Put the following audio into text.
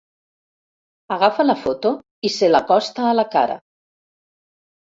Agafa la foto i se l'acosta a la cara.